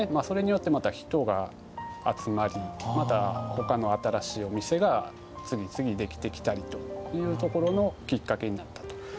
それによってまた人が集まりまたほかの新しいお店が次々できてきたりというところのきっかけになったと。